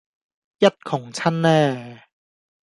一窮親呢